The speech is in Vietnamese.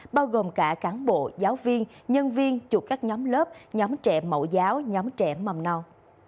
bao gồm cả cán bộ giáo viên nhân viên chụp các nhóm lớp nhóm trẻ mẫu giáo nhóm trẻ mầm non